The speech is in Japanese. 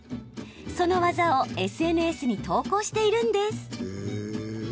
その技をＳＮＳに投稿しているんです。